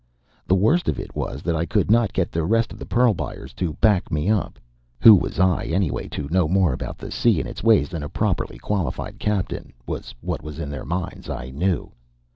The worst of it was that I could not get the rest of the pearl buyers to back me up. Who was I, anyway, to know more about the sea and its ways than a properly qualified captain? was what was in their minds, I knew.